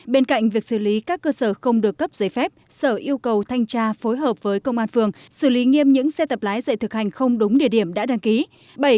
bên cạnh việc xử lý các cơ sở không được cấp giấy phép sở yêu cầu thanh tra phối hợp với công an phường xử lý nghiêm những xe tập lái dạy thực hành không đúng địa điểm đã đăng ký